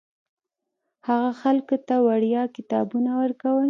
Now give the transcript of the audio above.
هغه خلکو ته وړیا کتابونه ورکول.